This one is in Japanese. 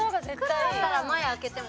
黒だったら前開けても。